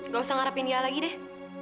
gak usah ngarapin dia lagi deh